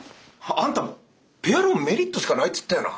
あんたペアローンメリットしかないって言ったよな！